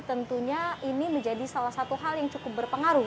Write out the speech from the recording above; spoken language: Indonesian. tentunya ini menjadi salah satu hal yang cukup berpengaruh